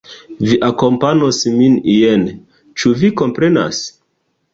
Vi akompanos min ien. Ĉu vi komprenas?